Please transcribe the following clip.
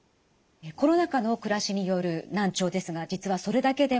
コロナ禍の暮らしによる難聴ですが実はそれだけではありません。